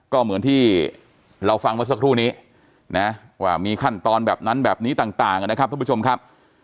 ก็เหมือนที่เราฟังเมื่อสักครู่นี้นะว่ามีขั้นตอนแบบนั้นแบบนี้ต่างนะครับทุกผู้ชมครับ